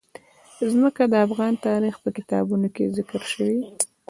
ځمکه د افغان تاریخ په کتابونو کې ذکر شوی دي.